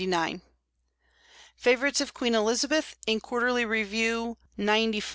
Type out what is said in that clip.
199; "Favorites of Queen Elizabeth," in Quarterly Review, xcv.